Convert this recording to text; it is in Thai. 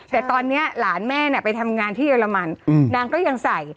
แต่ตอนนี้หลานแม่ไปทำงานที่เรมันนางก็ยังใส่